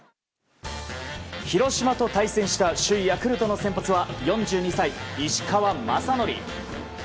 広島と対戦した首位ヤクルトの先発は４２歳、石川雅規。